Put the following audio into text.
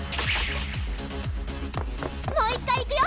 もう１回いくよ！